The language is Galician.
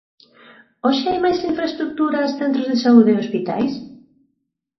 ¿Hoxe hai máis infraestruturas, centros de saúde e hospitais?